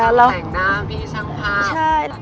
อากแห่งน้ำภีร์ช่างภาพ